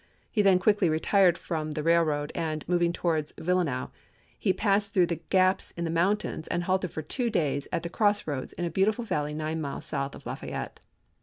He then quickly retired from the railroad, and, moving towards Villanow, he passed through the gaps in the mountains, and halted for two days at the Cross Roads in a beautiful valley nine miles south of Lafayette.